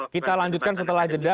kita lanjutkan setelah jeda